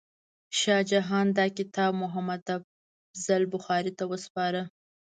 شاه جهان دا کتاب محمد افضل بخاري ته وسپاره.